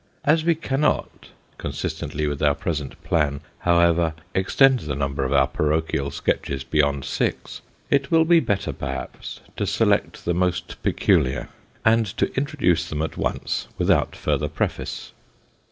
As wo cannot, consistently with our present plan, however, extend the number of our parochial sketches beyond six, it will be IO Sketches by Bos. better perhaps, to select the most peculiar, and to introduce them at once without further preface.